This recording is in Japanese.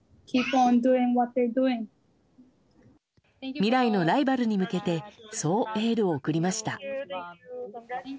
未来のライバルに向けてそうエールを送りました。